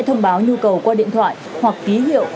thông báo nhu cầu qua điện thoại hoặc ký hiệu